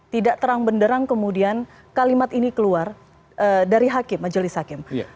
tidak terang benderang kemudian kalimat ini keluar dari majelis hakim